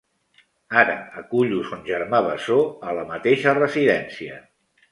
Ara acullo son germà bessó a la mateixa residència.